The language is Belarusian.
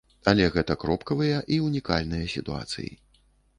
Але гэта кропкавыя і ўнікальныя сітуацыі.